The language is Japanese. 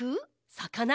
さかな？